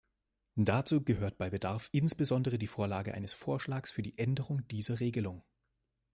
Dazu gehört bei Bedarf insbesondere die Vorlage eines Vorschlags für die Änderung dieser Regelung.